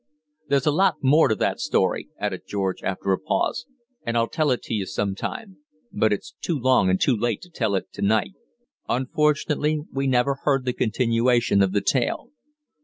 "There's a lot more to that story," added George, after a pause, "and I'll tell it to you some time; but it's too long and too late to tell it to night." Unfortunately we never heard the continuation of the tale.